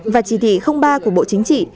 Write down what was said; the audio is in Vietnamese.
và chỉ thị ba của bộ chính trị